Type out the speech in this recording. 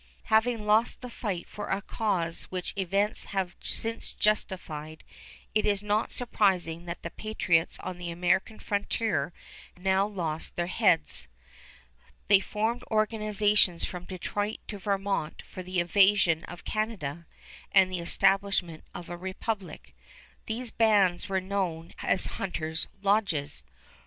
Having lost the fight for a cause which events have since justified, it is not surprising that the patriots on the American frontier now lost their heads. They formed organizations from Detroit to Vermont for the invasion of Canada and the establishment of a republic. These bands were known as "Hunter's Lodges."